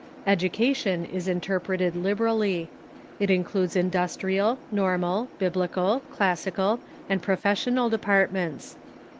Education is interpreted liberally. It includes industrial, nor mal. Biblical, classical, and professional departments.